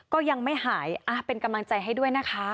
ก็ยังไม่หายเป็นกำลังใจให้ด้วยนะคะ